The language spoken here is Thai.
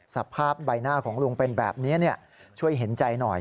สภาพใบหน้าของลุงเป็นแบบนี้ช่วยเห็นใจหน่อย